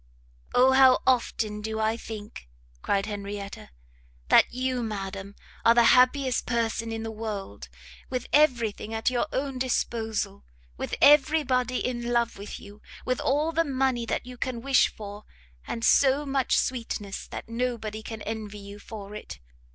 "O how often do I think," cried Henrietta, "that you, madam, are the happiest person in the world! with every thing at your own disposal, with every body in love with you, with all the money that you can wish for, and so much sweetness that nobody can envy you it!